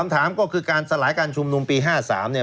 ถามก็คือการสลายการชุมนุมปี๕๓เนี่ย